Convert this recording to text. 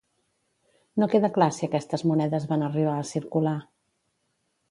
No queda clar si aquestes monedes van arribar a circular.